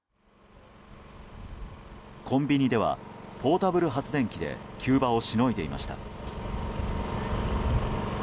コンビニではポータブル発電機で急場をしのいでいました。